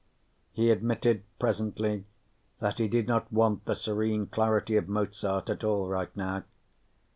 He admitted presently that he did not want the serene clarity of Mozart at all right now.